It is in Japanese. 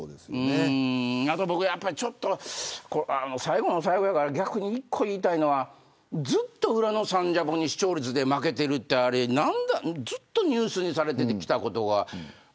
あとは、やっぱりちょっと最後の最後やから言いたいのはずっと裏のサンジャポに視聴率で負けてるってずっとニュースにされてきたことが。